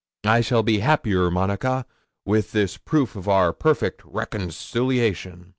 I shall be happier, Monica, with this proof of our perfect reconciliation.